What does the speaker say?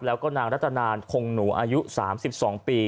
แล้วก็นางรัตนานคงหนูอายุ๓๒ปี